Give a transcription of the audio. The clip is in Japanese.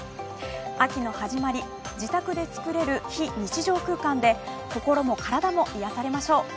秋の始まり、自宅で作れる非日常空間で心も体も癒やされましょう。